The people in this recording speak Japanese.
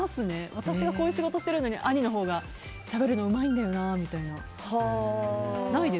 私は、こういう仕事してるのに兄のほうが、しゃべるのうまいんだよなみたいな。